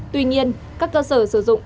tuy nhiên các cơ sở sử dụng